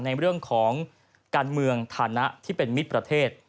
ในเรื่องของการเมืองฐานะที่เป็นมิตรประเทศ